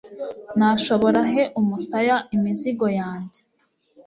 nashobora he umusaya imizigo yanjye